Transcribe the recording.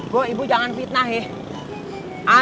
gue ibu jangan fitnah ya